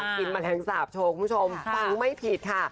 กินแมลงสาปโชว์คุณผู้ชมฟังไม่ผิดค่ะ